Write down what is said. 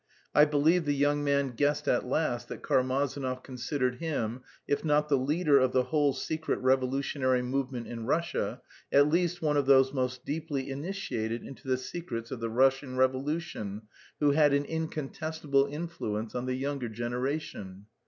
I believe the young man guessed at last that Karmazinov considered him, if not the leader of the whole secret revolutionary movement in Russia, at least one of those most deeply initiated into the secrets of the Russian revolution who had an incontestable influence on the younger generation.